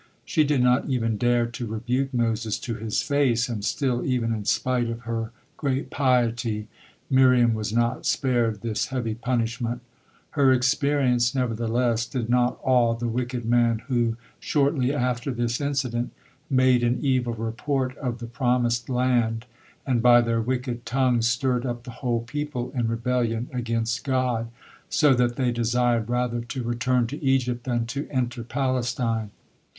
She did not even dare to rebuke Moses to his face, and still, even in spite of her great piety, Miriam was not spared this heavy punishment. Her experience, nevertheless, did not awe the wicked man who, shortly after this incident, made an evil report of the promised land, and by their wicked tongues stirred up the whole people in rebellion against God, so that they desired rather to return to Egypt than to enter Palestine.